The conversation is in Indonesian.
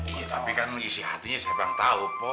iya tapi kan isi hatinya siapa yang tahu po